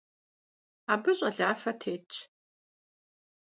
Abı ş'alafe têtş.